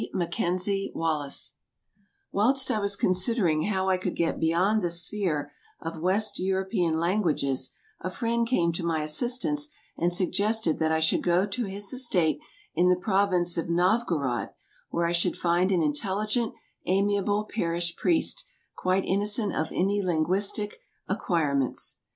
MACKENZIE WALLACE WHILST I was considering how I could get beyond the sphere of West European languages, a friend came to my assistance and suggested that I should go to his estate in the province of Novgorod, where I should find an intelligent, amiable parish priest, quite innocent of any lin guistic acquirements.